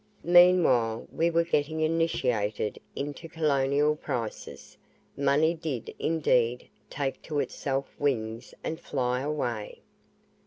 Meanwhile we were getting initiated into colonial prices money did indeed take to itself wings and fly away.